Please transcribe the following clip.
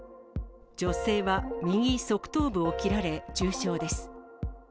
女性は右側頭部を切られ、重傷です。